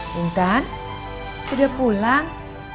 bintan sudah pulang